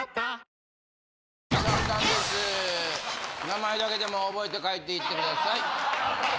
名前だけでも覚えて帰っていって下さい。